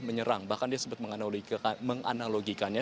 menyerang bahkan dia sempat menganalogikannya